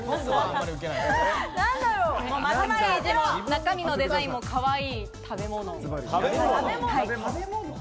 中身のデザインもかわいい食べ物。